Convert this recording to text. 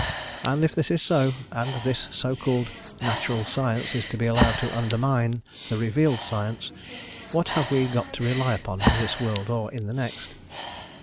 And if this is so, and this so called natural science is to be allowed to undermine the revealed science, what have we got to rely upon in this world or in the next?